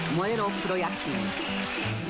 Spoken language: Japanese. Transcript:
プロ野球』」